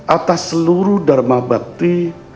atas seluruh dharma bakti